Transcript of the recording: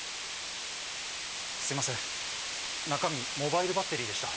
すいません中身モバイルバッテリーでした。